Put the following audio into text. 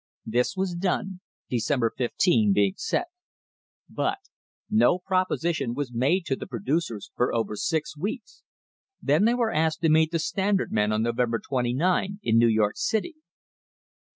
This was done — December 15 being set. But no propo sition was made to the producers for over six weeks — then they were asked to meet the Standard men on November 29 in New York City.